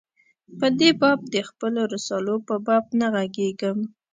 په دې باب د خپلو رسالو په باب نه ږغېږم.